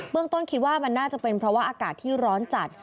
ต้นคิดว่ามันน่าจะเป็นเพราะว่าอากาศที่ร้อนจัด